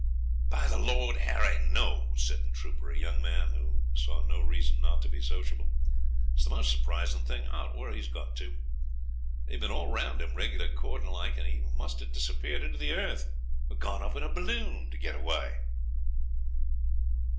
'By the Lord Harry, no!' said the trooper, a young man who saw no reason not to be sociable. 'It's the most surprisin' thing out where he's got to. They've been all round him, reg'lar cordon like, and he must have disappeared into the earth or gone up in a balloon to get away.'